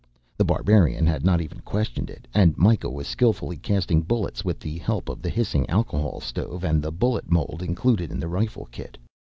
The Barbarian had not even questioned it, and Myka was skillfully casting bullets with the help of the hissing alcohol stove and the bullet mold included in the rifle kit.